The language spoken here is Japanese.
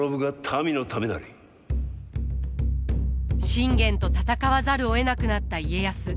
信玄と戦わざるをえなくなった家康。